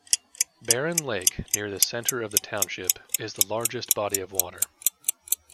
Barron Lake, near the center of the township, is the largest body of water.